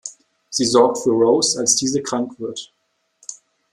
Sie sorgt für Rose, als diese krank wird.